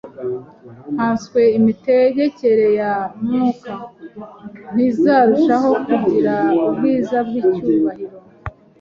nkanswe imitegekere ya Mwuka! Ntizarushaho kugira ubwiza n’icyubahiro